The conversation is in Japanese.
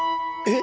え？